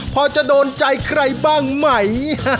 พอจะโดนใจใครบ้างไหม